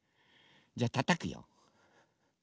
じゃあたたくよ。